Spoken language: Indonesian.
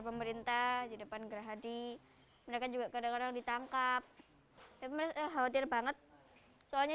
pemerintah di depan gerhadi mereka juga kadang kadang ditangkap tapi mereka khawatir banget soalnya